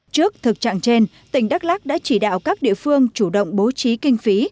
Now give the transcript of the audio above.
trước thực trạng trên tỉnh đắk lắc đã chỉ đạo các địa phương chủ động bố trí kinh phí